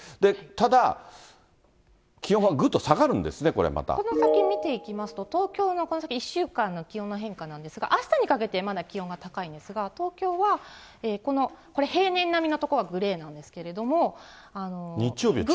ただ、気温がぐっと下がるんですこの先見ていきますと、東京のこの先１週間の気温の変化なんですが、あしたにかけてまた気温が高いんですが、東京はこの、これ、平年並みの所はグレーなんで日曜日は１８度。